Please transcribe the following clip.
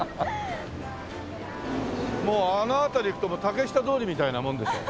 もうあの辺り行くと竹下通りみたいなもんでしょう？